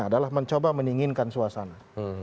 adalah mencoba meninginkan suasana